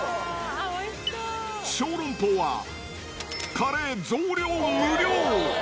小籠包はカレー増量無料。